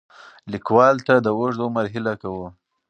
لیکوال ته د اوږد عمر هیله کوو.